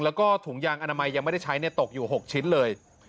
แล้วก็ถุงยางอนามัยยังไม่ได้ใช้ตกอยู่๖ชิ้นเลย